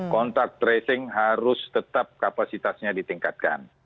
kontak tracing harus tetap kapasitasnya ditingkatkan